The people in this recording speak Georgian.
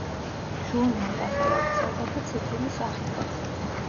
ჟურნალი ასევე ვრცელდება ციფრული სახითაც.